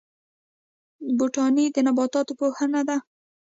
بوټاني د نباتاتو پوهنه ده